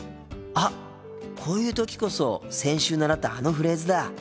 あこういう時こそ先週習ったあのフレーズだ！